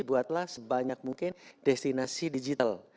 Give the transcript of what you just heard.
buatlah sebanyak mungkin destinasi digital